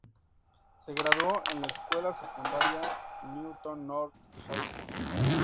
Se graduó en la escuela secundaria Newton North High School.